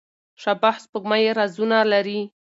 شبح سپوږمۍ رازونه لري.